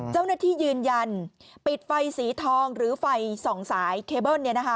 เจ้าหน้าที่ยืนยันปิดไฟสีทองหรือไฟ๒สายเคเบิ้ลนี้นะคะ